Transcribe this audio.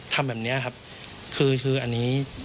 ทำแบบเนี่ยครับคือคืออันนี้